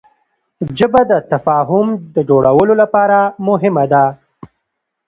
ژبه د تفاهم د جوړولو لپاره مهمه ده